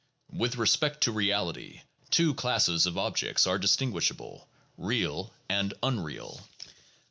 With respect to reality two classes of objects are distinguishable, real and unreal.